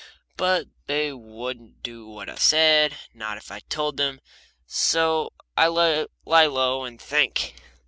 But they wouldn't do what I said, not if I told them, so I lie low and think.